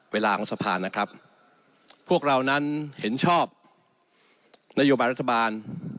เวลาของสภานะครับพวกเรานั้นเห็นชอบนโยบายรัฐบาล